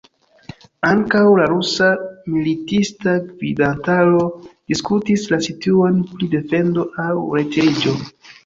Ankaŭ la rusa militista gvidantaro diskutis la situon pri defendo aŭ retiriĝo.